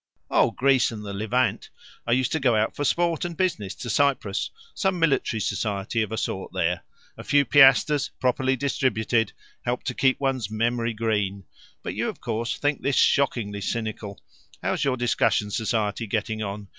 "Oh, Greece and the Levant. I used to go out for sport and business to Cyprus; some military society of a sort there. A few piastres, properly distributed, help to keep one's memory green. But you, of course, think this shockingly cynical. How's your discussion society getting on?